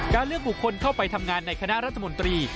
เลือกบุคคลเข้าไปทำงานในคณะรัฐมนตรี